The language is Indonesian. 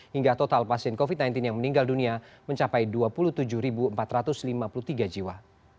hingga total pasien covid sembilan belas yang meninggal dunia mencapai dua puluh tujuh empat ratus lima puluh tiga jiwa